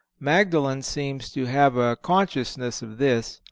Magdalen seems to have a consciousness of this.